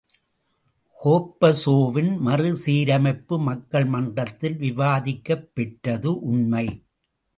கோர்ப்பசேவின் மறு சீரமைப்பு மக்கள் மன்றத்தில் விவாதிக்கப்பெற்றது உண்மை.